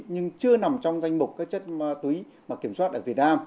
nhưng chưa nằm trong danh mục chất ma túy kiểm soát ở việt nam